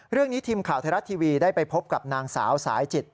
ทีมข่าวไทยรัฐทีวีได้ไปพบกับนางสาวสายจิต